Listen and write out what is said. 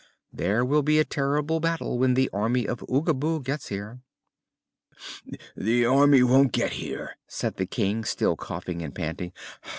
"There will be a terrible battle when the Army of Oogaboo gets here." "The Army won't get here," said the King, still coughing and panting.